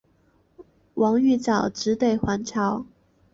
王玉藻只得还朝。